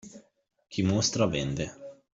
Chi mostra vende.